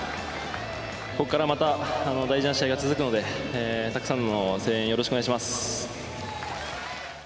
ここからまた大事な試合が続くので、たくさんの声援、よろしくお願いします。